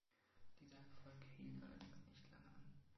Dieser Erfolg hielt allerdings nicht lange an.